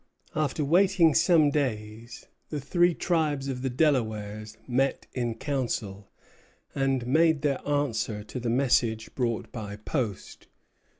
After waiting some days, the three tribes of the Delawares met in council, and made their answer to the message brought by Post.